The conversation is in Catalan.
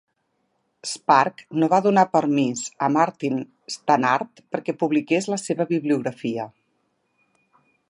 Spark no va donar permís a Martin Stannard perquè publiqués la seva bibliografia.